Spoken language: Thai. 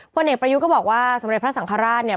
พระเนกประยุกต์ก็บอกว่าสำหรับพระสังฆราชเนี่ย